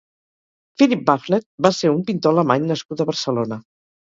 Philipp Bauknecht va ser un pintor alemany nascut a Barcelona.